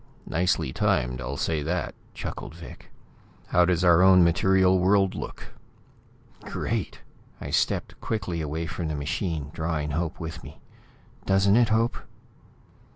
"Nicely timed, I'll say that," chuckled Vic. "How does our own material little old world look?" "Great!" I stepped quickly away from the machine, drawing Hope with me. "Doesn't it, Hope?"